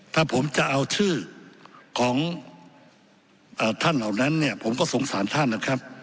ถ้าผมจะเอาชื่อของท่านเหล่านั้นเนี่ยผมก็สงสารท่านนะครับ